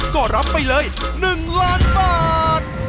ก็รับไปเลย๑ล้านบาท